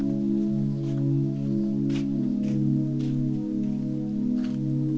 biasanya kan gak pernah dibawain apa apa